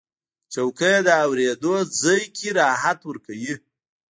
چوکۍ د اورېدو ځای کې راحت ورکوي.